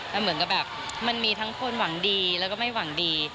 แต่เหมือนกับแบบมันมีทั้งคนหวังดีแล้วก็ไม่หวังดี